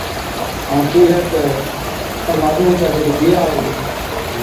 ائُون ڪيهلَي تہ، تمهان ڏُونه چا جِڏ بِيها هُوِي،